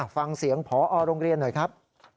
ฟังเสียงพอโรงเรียนหน่อยครับ